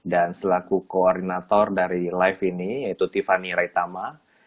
dan selaku koordinator dari live ini yaitu tiffany reitama